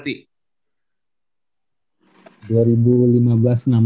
satria muda tahun berapa tuh joe